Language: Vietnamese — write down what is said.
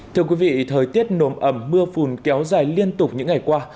thưa quý vị thời tiết nồm ẩm mưa phùn kéo dài liên tục những ngày qua